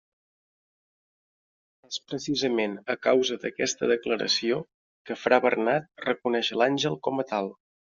És precisament a causa d'aquesta declaració que fra Bernat reconeix l'àngel com a tal.